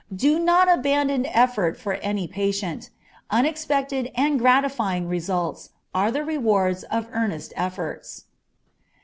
Do not abandon effort for any patient. Unexpected and gratifying results are the rewards of earnest efforts.